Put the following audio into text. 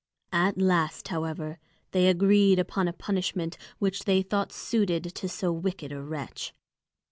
At last, however, they agreed upon a punishment which they thought suited to so wicked a wretch.